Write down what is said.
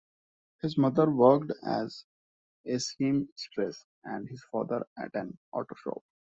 His mother worked as a seamstress, and his father at an auto shop.